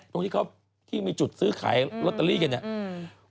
ตรงที่เขาที่มีจุดซื้อขายลอตเตอรี่กันเนี่ย